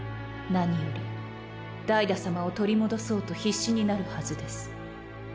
何よりダイダ様を取り戻そうと必死になるはずです